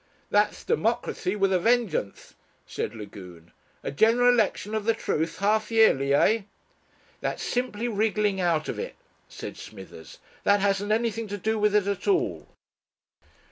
"That's democracy with a vengeance," said Lagune. "A general election of the truth half yearly, eh?" "That's simply wriggling out of it," said Smithers. "That hasn't anything to do with it at all."